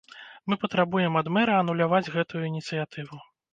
Мы патрабуем ад мэра ануляваць гэтую ініцыятыву.